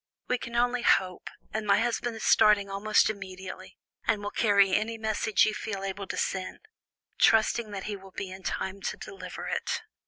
We can only hope, and my husband is starting almost immediately, and will carry any message you feel able to send, trusting that he will be in time to deliver it."